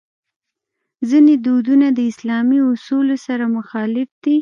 ځینې دودونه د اسلامي اصولو سره مخالف دي.